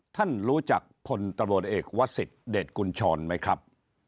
ท่านรู้จักพลตำรวจเอกวสิทธิเดชกุญชรไหมครับ